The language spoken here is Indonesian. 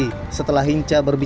dpr ri puan maharani